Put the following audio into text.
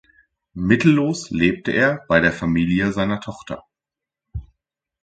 Mittellos lebte er bei der Familie seiner Tochter.